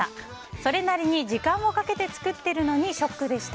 それなりに時間をかけて作っているのにショックでした。